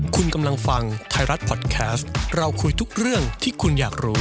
คุณกำลังฟังไทยรัฐพอดแคสต์เราคุยทุกเรื่องที่คุณอยากรู้